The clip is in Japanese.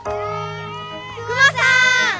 クマさん！